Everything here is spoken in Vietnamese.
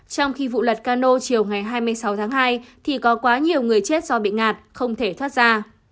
trong khi vụ lật cano chiều ngày hai mươi sáu tháng hai thì có quá nhiều người chết do bị ngạt không thể thoát ra